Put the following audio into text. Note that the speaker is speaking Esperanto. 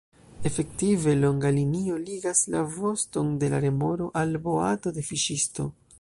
Efektive, longa linio ligas la voston de la remoro al boato de fiŝisto.